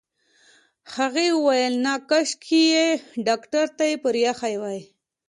هغې وويل نه کاشکې يې ډاکټر ته پرېښې وای.